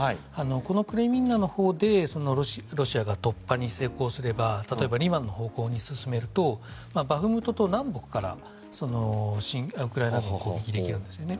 クレミンナのほうでロシアが突破に成功すれば例えばリマンの方向に進めるとバフムトと南北からウクライナが攻撃できるんです。